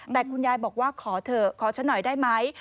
แต่คุณยายบอกว่าขอเถอะขอฉันหน่อยได้ไหม